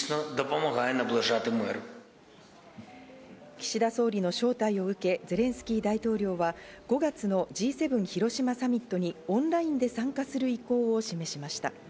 岸田総理の招待を受け、ゼレンスキー大統領は５月のＧ７広島サミットにオンラインで参加する意向を示しました。